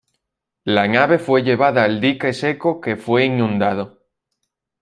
La nave fue llevada al dique seco que fue inundado.